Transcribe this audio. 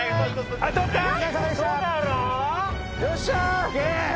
よっしゃ！